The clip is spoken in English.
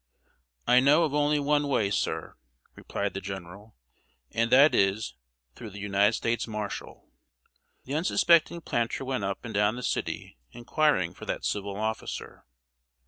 "I know of only one way, sir," replied the general, "and that is, through the United States marshal." The unsuspecting planter went up and down the city inquiring for that civil officer.